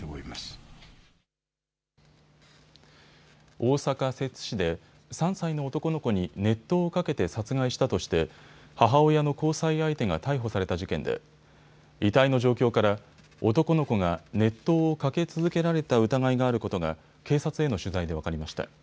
大阪摂津市で３歳の男の子に熱湯をかけて殺害したとして母親の交際相手が逮捕された事件で遺体の状況から男の子が熱湯をかけ続けられた疑いがあることが警察への取材で分かりました。